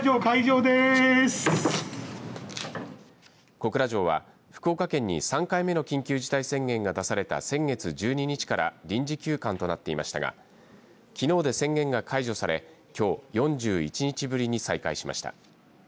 小倉城は、福岡県に３回目の緊急事態宣言が出された先月１２日から臨時休館となっていましたがきのうで宣言が解除されきょう、４１日ぶりに再開しました。